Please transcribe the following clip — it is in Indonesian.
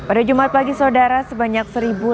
pada jumat pagi saudara sebanyak seribu lima puluh dua